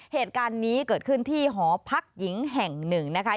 เหตุการณ์นี้เกิดขึ้นที่หอพักหญิงแห่งหนึ่งนะคะ